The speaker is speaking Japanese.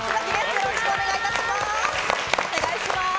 よろしくお願いします。